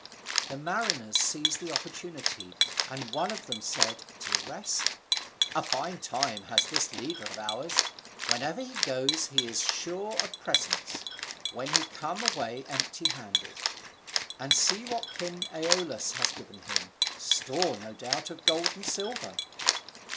The mariners seized the opportunity, and one of them said to the rest, "A fine time has this leader of ours; wherever he goes he is sure of presents, when we come away empty handed; and see what King Aeolus has given him, store no doubt of gold and silver."